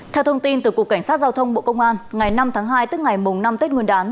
theo thông tin từ cục cảnh sát giao thông bộ công an ngày năm tháng hai tức ngày mùng năm tết nguyên đán